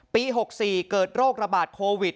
ปี๖๔เกิดโรคระบาดโควิด